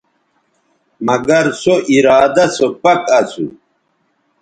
مگر سو ارادہ سو پَک اسو